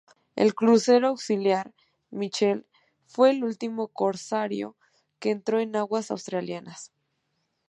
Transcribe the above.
El crucero auxiliar "Michel" fue el último corsario que entró en aguas australianas.